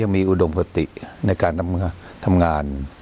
มีอุดมคติในการทำงาน